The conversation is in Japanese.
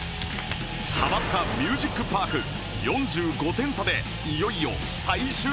ハマスカミュージックパーク４５点差でいよいよ最終問題！